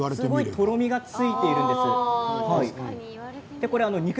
とろみがついているんです。